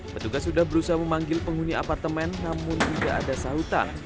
petugas sudah berusaha memanggil penghuni apartemen namun tidak ada sahutan